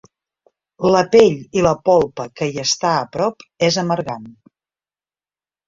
La pell i la polpa que hi està a prop és amargant.